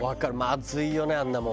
まずいよねあんなもん。